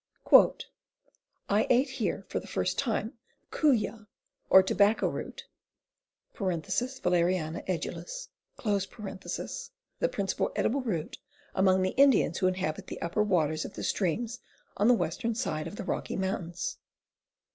"1 ate here, for the first time, the kooyah or tobacco root {Valeriana edulis), the principal edible root among the Indians who inhabit the upper waters of the streams on the western side of the [Rocky] mountains.